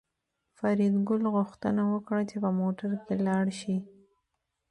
فریدګل غوښتنه وکړه چې په موټر کې لاړ شي